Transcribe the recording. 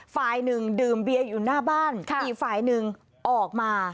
ฝ่ายหนึ่งดื่มเบียร์อยู่หน้าบ้านอีกฝ่ายหนึ่งออกมา